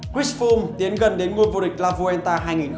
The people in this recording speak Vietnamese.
chris fulm tiến gần đến nguồn vô địch la fuenta hai nghìn một mươi bảy